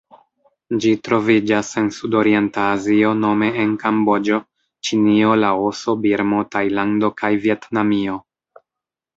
Ĝi troviĝas en Sudorienta Azio nome en Kamboĝo, Ĉinio, Laoso, Birmo, Tajlando kaj Vjetnamio.